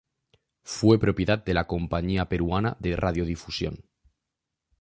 Fue propiedad de la Compañía Peruana de Radiodifusión